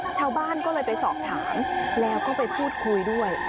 ชาวบ้านก็เลยไปสอบถามแล้วก็ไปพูดคุยด้วย